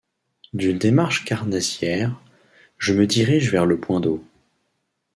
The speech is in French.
D’une démarche carnassière, je me dirige vers le point d’eau.